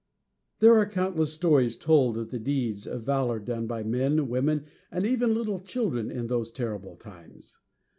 There are countless stories told of the deeds of valor done by men, women, and even little children in those terrible times.